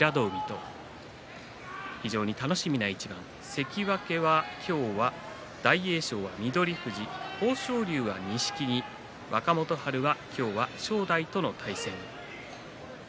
関脇は今日、大栄翔は翠富士豊昇龍は錦木若元春は今日は正代との対戦です。